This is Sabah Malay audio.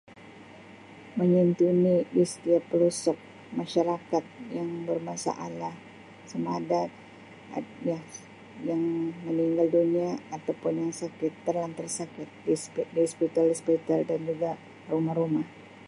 Menyantuni di setiap pelusuk masyarakat yang bermasalah samaada Um yang meninggal dunia ataupun yang sakit terlantar sakit di hospi-hospital-hospital dan juga rumah-rumah.